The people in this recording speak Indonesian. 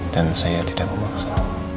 dan saya tidak memaksa